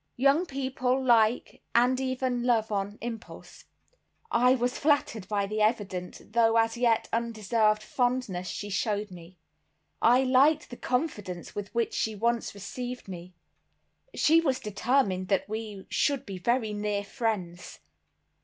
Young people like, and even love, on impulse. I was flattered by the evident, though as yet undeserved, fondness she showed me. I liked the confidence with which she at once received me. She was determined that we should be very near friends.